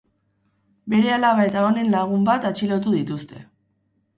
Bere alaba eta honen lagun bat atxilotu dituzte.